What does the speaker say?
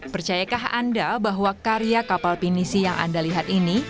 percayakah anda bahwa karya kapal pinisi yang anda lihat ini